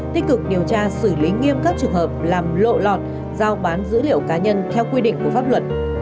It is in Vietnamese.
tích cực điều tra xử lý nghiêm các trường hợp làm lộ lọt giao bán dữ liệu cá nhân theo quy định của pháp luật